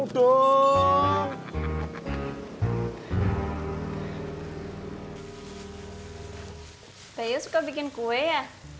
teh yo suka bikin kue ya